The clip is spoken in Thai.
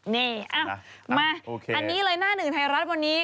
นี่มาอันนี้เลยหน้าหนึ่งไทยรัฐวันนี้